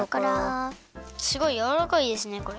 すごいやわらかいですねこれ。